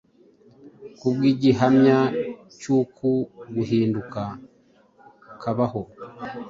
Kubw’igihamya cy’uku guhinduka kabaho,